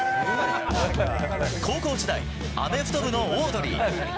高校時代、アメフト部のオードリー。